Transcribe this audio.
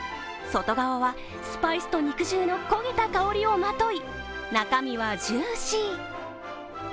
外側はスパイスと肉汁の焦げた香りをまとい中身はジューシー。